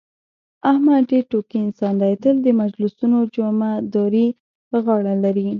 احمد ډېر ټوکي انسان دی، تل د مجلسونو جمعه داري په غاړه لري.